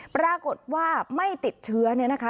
ปรากฏว่าไม่ติดเชื้อเนี่ยนะคะ